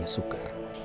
dan dia suka